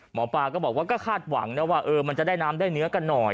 หมอปลาก็บอกว่าก็คาดหวังนะว่ามันจะได้น้ำได้เนื้อกันหน่อย